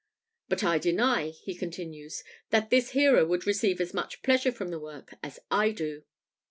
"But I deny," he continues, "that this hearer would receive as much pleasure from the work as I do.